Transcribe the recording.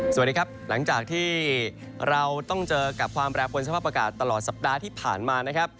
สวัสดีครับหลังจากที่เราต้องเจอกับความแปรปวนสภาพอากาศตลอดสัปดาห์ที่ผ่านมานะครับ